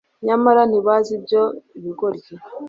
nyamara ntibazi ibyo bigoryi